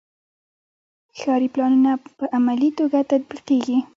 ښاري پلانونه په عملي توګه تطبیقیږي.